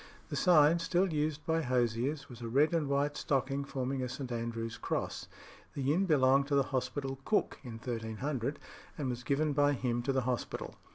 The sign, still used by hosiers, was a red and white stocking forming a St. Andrew's Cross. This inn belonged to the hospital cook in 1300, and was given by him to the hospital.